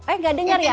eh gak dengar ya